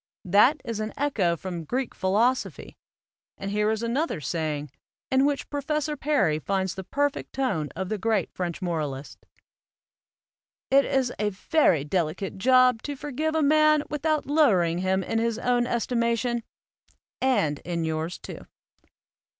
That is an echo from Greek philosophy; and here is another saying, in which Professor Perry finds the perfect tone of the great French moralists: "It is a very delicate job to forgive a man without lowering him in his own estimation, and in yours too."